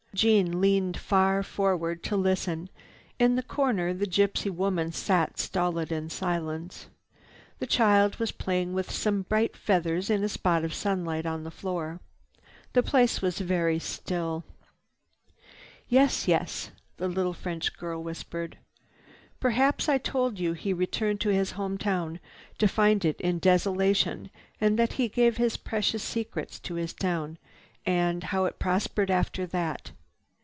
Jeanne leaned far forward to listen. In the corner the gypsy woman sat stolid in silence. The child was playing with some bright feathers in a spot of sunlight on the floor. The place was very still. "Yes—yes," the little French girl whispered. "Perhaps I told you he returned to his home town to find it in desolation and that he gave his precious secrets to his town, and how it prospered after that."